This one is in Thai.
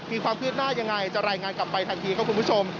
มีความคืบหน้ายังไงจะรายงานกลับไปทันทีครับคุณผู้ชม